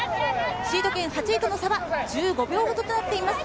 シード権、８位との差は１５秒ほどとなっています。